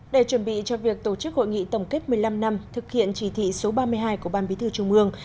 để chuẩn bị cho việc tổ chức hội nghị tổng kết một mươi năm năm thực hiện chỉ thị số ba mươi hai của ban bí thư trung mương